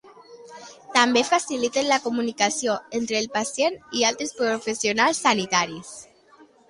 També faciliten la comunicació entre el pacient i altres professionals sanitaris.